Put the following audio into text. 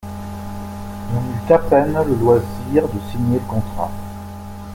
On eut à peine le loisir de signer le contrat.